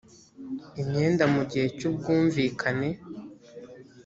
imyenda mu gihe cy ubwumvikane